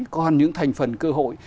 còn những thành phần cơ hội